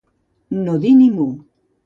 No dir ni mu.